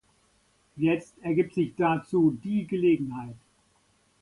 Jetzt ergibt sich dazu die Gelegenheit.